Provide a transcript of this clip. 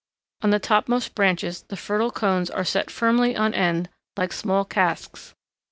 On the topmost branches the fertile cones are set firmly on end like small casks.